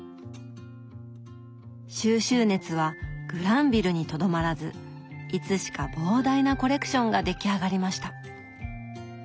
蒐集熱はグランヴィルにとどまらずいつしか膨大なコレクションが出来上がりました。